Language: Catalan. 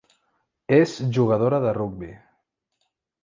És jugadora de rugbi.